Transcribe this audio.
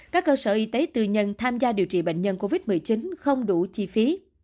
các cơ sở y tế tư nhân tham gia điều trị bệnh nhân covid một mươi chín không đủ chi phí